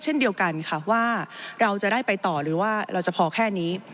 เช่นเดียวกันค่ะว่าเราจะได้ไปต่อหรือว่าเราจะพอแค่นี้